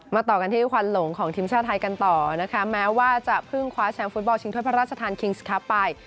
ต่อกันที่ควันหลงของทีมชาติไทยกันต่อนะคะแม้ว่าจะเพิ่งคว้าแชมป์ฟุตบอลชิงถ้วยพระราชทานคิงส์ครับไป